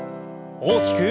大きく。